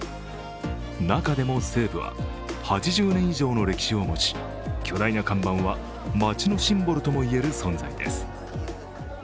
中でも西武は８０年以上の歴史を持ち、巨大な看板は街のシンボルとも言える存在です